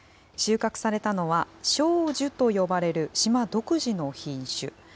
収穫されたのは、松寿と呼ばれる島独自の品種。